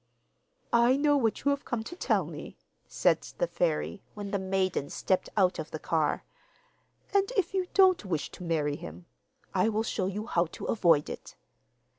'I know what you have come to tell me,' said the fairy, when the maiden stepped out of the car; 'and if you don't wish to marry him, I will show you how to avoid it.